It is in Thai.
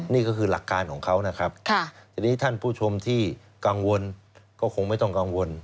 นี่ก็คือหลักการของเขานะครับทีนี้ท่านผู้ชมที่กังวลก็คงไม่ต้องกังวล